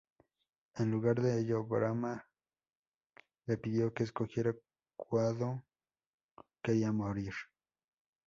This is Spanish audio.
En lugar de ello, Brahmá le pidió que escogiera cuándo quería morir.